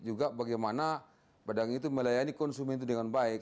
juga bagaimana pedang itu melayani konsumen itu dengan baik